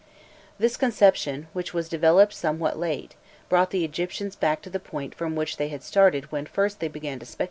This conception, which was developed somewhat late, brought the Egyptians back to the point from which they had started when first they began to speculate on the life to come.